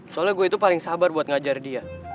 soalnya gue itu paling sabar buat ngajar dia